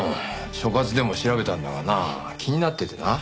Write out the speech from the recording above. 所轄でも調べたんだがな気になっててな。